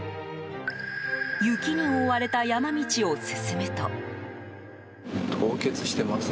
雪に覆われた山道を進むと。